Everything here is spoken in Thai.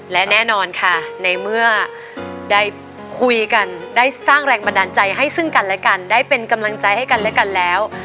และแน่นอนค่ะในเมื่อได้คุยกันได้สร้างแรงบันดาลใจให้ซึ่งกันและกันได้เป็นกำลังใจให้กันและกันแล้ว